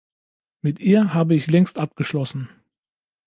Mit ihr habe ich längst abgeschlossen.